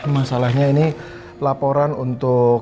masalahnya ini laporan untuk